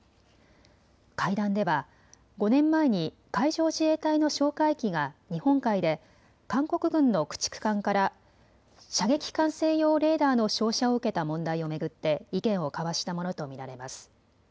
会談では５年前に海上自衛隊の哨戒機が日本海で韓国軍の駆逐艦から射撃管制用レーダーの照射を受けた問題を巡って意見を交わしたものと見られます。